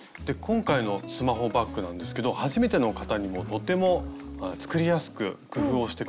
今回のスマホバッグなんですけど初めての方にもとても作りやすく工夫をして下さったんですよね。